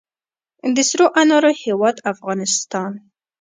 د سرو انارو هیواد افغانستان.